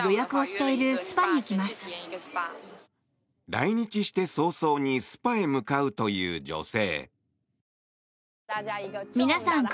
来日して早々にスパへ向かうという女性。